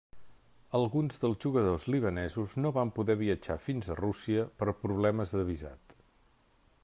Alguns dels jugadors libanesos no van poder viatjar fins a Rússia per problemes de visat.